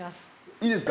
いいです。